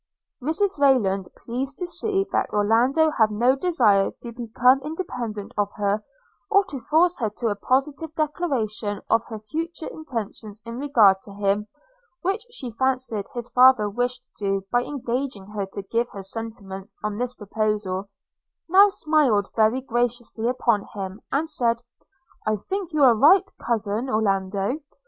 Mrs Rayland, pleased to see that Orlando had no desire to become independent of her, or to force her to a positive declaration of her future intentions in regard to him, which she fancied his father wished to do by engaging her to give her sentiments on this proposal, now smiled very graciously upon him, and said, 'I think you right, cousin Orlando.